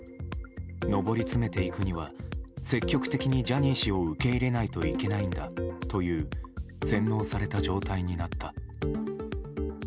上り詰めていくには積極的にジャニー氏を受け入れないといけないんだという洗脳された状態になった。